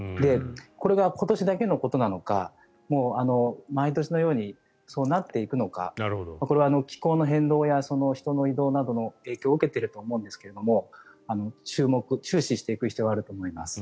これが今年だけのことなのか毎年のようにそうなっていくのかこれは気候の変動や人の移動などの影響を受けていると思うんですが注目、注視していく必要があると思います。